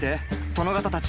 殿方たち！